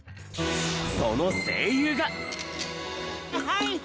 その声優が。